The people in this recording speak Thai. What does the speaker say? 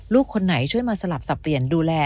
คนไหนช่วยมาสลับสับเปลี่ยนดูแล